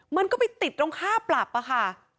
มันก็ไปติดตรงค่าปรับค่ะ